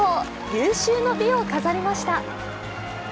有終の美を飾りました。